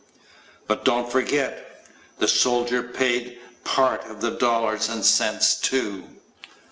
But don't forget the soldier paid part of the dollars and cents bill too.